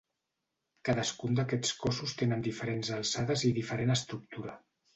Cadascun d'aquests cossos tenen diferents alçades i diferent estructura.